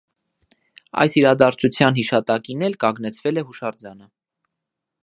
Այս իրադարձության հիշատակին էլ կանգնեցվել է հուշարձանը։